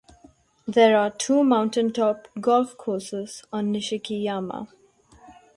There are two mountain top golf courses on Nishiki-yama.